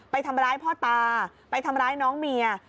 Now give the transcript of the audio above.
ไปทำร้ายพ่อตาไปทำร้ายน้องเมีย